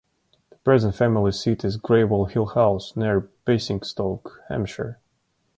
The present family seat is Greywell Hill House, near Basingstoke, Hampshire.